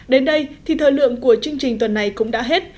đến đây thì thời lượng của chương trình tuần này cũng đã hết